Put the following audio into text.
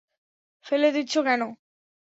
ফেলে দিচ্ছ কেন?